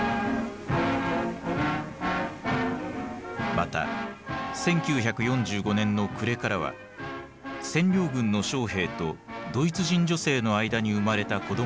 また１９４５年の暮れからは占領軍の将兵とドイツ人女性の間に生まれた子どもの存在が表面化する。